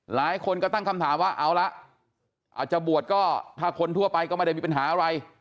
หลายคนก็ตั้งคำถามว่าเอาละอาจจะบวชก็ถ้าคนทั่วไปก็ไม่ได้มีปัญหาอะไร